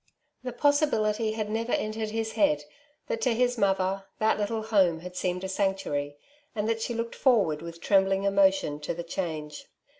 The possibility never entered his head that to his mother that little home had seemed a sanctuaryy and that she looked forward with trembling emotion to the change.